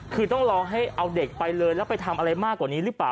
คือต้องรอให้เอาเด็กไปเลยแล้วไปทำอะไรมากกว่านี้หรือเปล่า